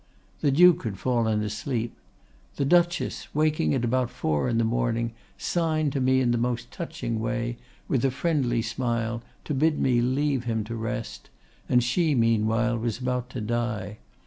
The Duke had fallen asleep. The Duchess, waking at about four in the morning, signed to me in the most touching way, with a friendly smile, to bid me leave him to rest, and she meanwhile was about to die.